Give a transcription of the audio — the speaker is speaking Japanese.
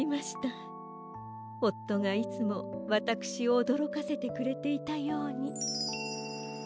おっとがいつもわたくしをおどろかせてくれていたように。